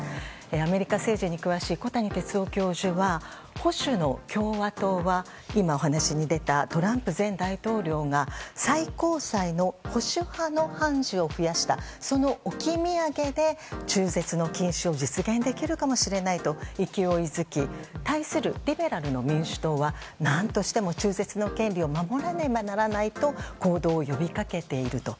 アメリカ政治に詳しい小谷哲男教授は保守の共和党は今お話に出たトランプ前大統領が最高裁の保守派の判事を増やした、その置き土産で中絶の禁止を実現できるかもしれないと勢いづき対するリベラルの民主党は何としても中絶の権利を守らねばならないと行動を呼びかけていると。